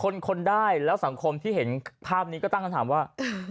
คนคนได้แล้วสังคมที่เห็นภาพนี้ก็ตั้งคำถามว่า